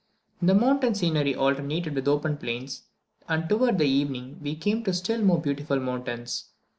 The mountain scenery alternated with open plains, and towards evening we came to still more beautiful mountains.